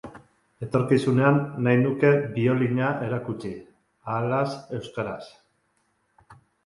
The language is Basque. Etorkizunean, nahi nuke biolina erakutsi, ahalaz euskaraz.